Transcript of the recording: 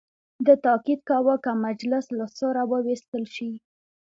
ده تاکید کاوه که مجلس له سوره وویستل شي.